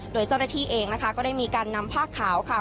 โดยเจ้าหน้าที่เองนะคะก็ได้มีการนำผ้าขาวค่ะ